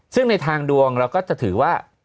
ซึ่งในทางดวงเราก็จะถือว่า